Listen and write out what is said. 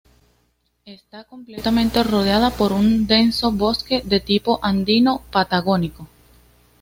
Está completamente rodeada por un denso bosque de tipo andino-patagónico.